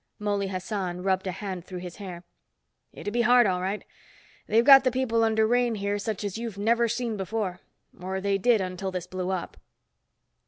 Mouley Hassan rubbed a hand through his hair. "It'd be hard, all right. They've got the people under rein here such as you've never seen before. Or they did until this blew up."